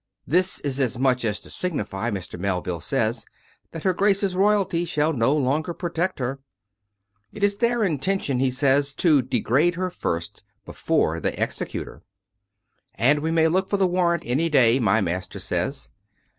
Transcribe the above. This is as much as to signify, Mr. Melville says, that her Grace's royalty shall no longer protect her. It is their intention, 338 COME RACK! COME ROPE! 339 he says, to degrade her first, before they execute her. And we may look for the warrant any day, my master says."